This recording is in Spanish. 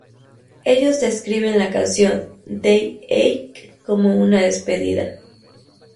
Ellos describen la canción "Day Eight" como una "despedida".